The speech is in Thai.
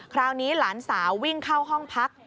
คราวนี้หลานสาววิ่งเข้าห้องพัก